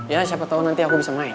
ya siapa tahu nanti aku bisa main